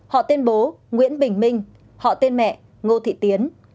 họ tên bố nguyễn bình minh họ tên mẹ ngô thị tiến